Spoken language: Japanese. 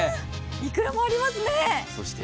いくらもありますね。